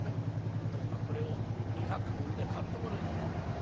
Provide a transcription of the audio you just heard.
どうかこれを二百文で買ってもらいたい。な？